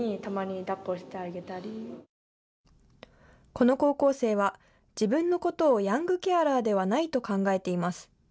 この高校生は自分のことをヤングケアラーではないと考えています。